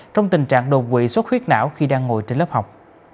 trong tình trạng đột quỵ xuất khuyết não khi đang ngồi trên lớp học